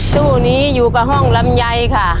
ตู้นี้อยู่กับห้องลำไยค่ะ